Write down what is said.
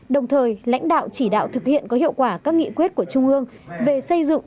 đồng thời lãnh đạo chỉ đạo thực hiện có hiệu quả các nghị quyết của trung ương về xây dựng